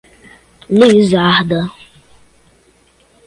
Lizarda